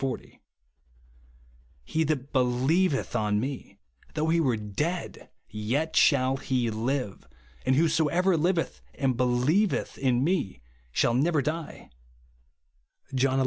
40). * He that helieveth on me, though he were dead, yet shall he live ; and whosoever liv eth and helieveth in me shall never die," (John xi.